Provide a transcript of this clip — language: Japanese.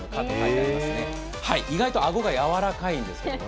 意外とあごがやわらかいんですけれども。